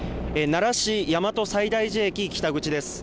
奈良市、大和西大寺駅北口です。